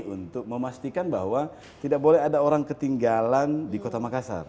untuk memastikan bahwa tidak boleh ada orang ketinggalan di kota makassar